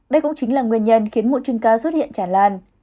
đây cũng chính là nguyên nhân khiến mụn trưng ca xuất hiện tràn lan